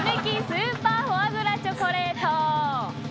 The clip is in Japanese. スーパーフォアグラチョコレート。